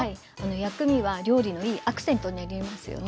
薬味は料理のいいアクセントになりますよね。